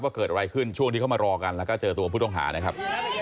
เกิดอะไรขึ้นช่วงที่เขามารอกันแล้วก็เจอตัวผู้ต้องหานะครับ